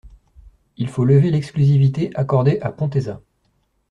Il faut lever l’exclusivité accordée à Pontesa.